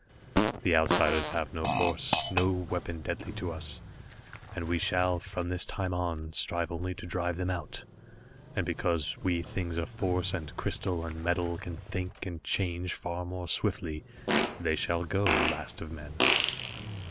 "The Outsiders have no force, no weapon deadly to us, and we shall, from this time on, strive only to drive them out, and because we things of force and crystal and metal can think and change far more swiftly, they shall go, Last of Men.